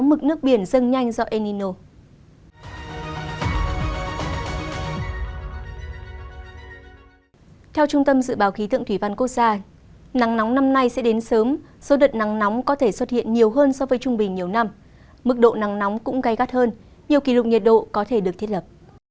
mức độ nắng nóng cũng gai gắt hơn nhiều kỷ lục nhiệt độ có thể được thiết lập